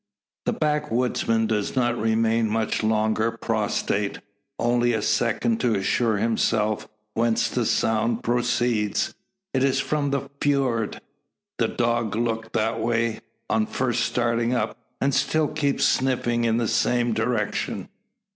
The backwoodsman does not remain much longer prostrate; only a second to assure himself whence the sound proceeds. It is from the ford. The dog looked that way, on first starting up; and still keeps sniffing in the same direction.